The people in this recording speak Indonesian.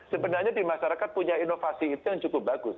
sebenarnya di masyarakat punya inovasi itu yang cukup bagus